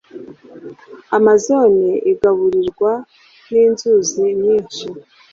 Amazone igaburirwa ninzuzi nyinshi.